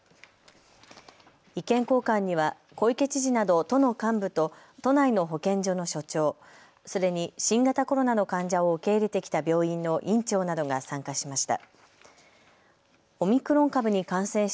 意見交換には小池知事など都の幹部と都内の保健所の所長、それに新型コロナの患者を受け入れてきた病院の院長などが参加しました。